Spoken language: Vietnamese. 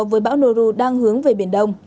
với bão noru đang hướng về biển đông